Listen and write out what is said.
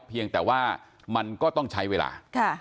เพียงแต่ว่ามันก็ต้องใช้เวลา